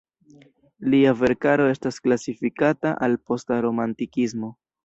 Lia verkaro estas klasifikata al posta romantikismo.